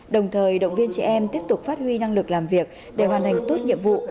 đồng thời động viên chị em tiếp tục phát huy năng lực làm việc để hoàn thành tốt nhiệm vụ